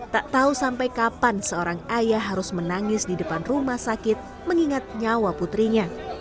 tak tahu sampai kapan seorang ayah harus menangis di depan rumah sakit mengingat nyawa putrinya